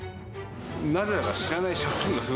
なぜだか知らない借金がすご